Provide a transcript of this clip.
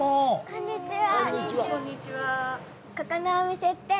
こんにちは。